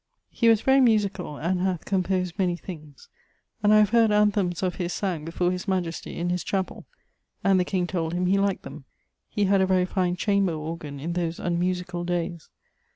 He was very musicall, and hath composed many things, and I have heard anthemes of his sang before his majestie, in his chapell, and the king told him he liked them. He had a very fine chamber organ in those unmusicall dayes.